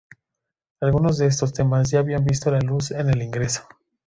Algunos de esos temas ya habían visto la luz en "El Ingreso".